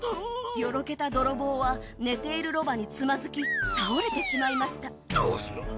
よろけた泥棒は寝ているロバにつまずき倒れてしまいましたドスン！